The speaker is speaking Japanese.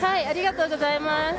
ありがとうございます。